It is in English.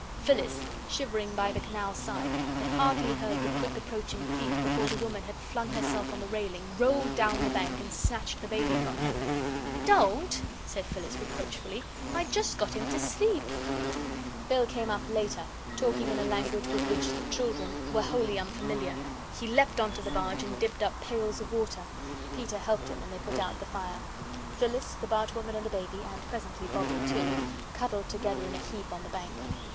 Phyllis, shivering by the canal side, had hardly heard the quick approaching feet before the woman had flung herself on the railing, rolled down the bank, and snatched the baby from her. "Don't," said Phyllis, reproachfully; "I'd just got him to sleep." Bill came up later talking in a language with which the children were wholly unfamiliar. He leaped on to the barge and dipped up pails of water. Peter helped him and they put out the fire. Phyllis, the bargewoman, and the baby and presently Bobbie, too cuddled together in a heap on the bank.